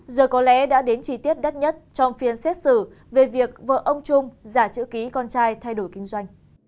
giờ có lẽ đã đến chi tiết đắt nhất trong phiên xét xử về việc vợ ông trung giả chữ ký con trai thay đổi kinh doanh